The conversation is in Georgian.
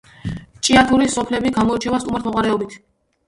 ჭიათურის სოფლები გამოირჩევა სტუმართმოყვარეობით